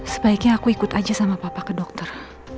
sebaiknya aku ikut aja sama papa ke dokter